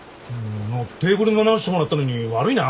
テーブルも直してもらったのに悪いな。